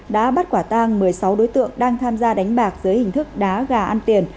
đã bắt quả tang một mươi sáu đối tượng đang tham gia đánh bạc dưới hình thức đá gà ăn tiền